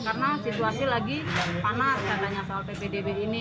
karena situasi lagi panas katanya soal ppdb ini